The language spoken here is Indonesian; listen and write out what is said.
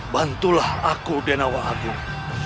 bantulah aku denawa agung